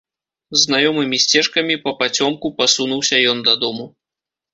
Знаёмымі сцежкамі папацёмку пасунуўся ён дадому.